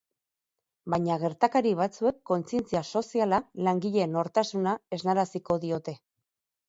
Baina gertakari batzuek kontzientzia soziala, langile nortasuna, esnaraziko diote.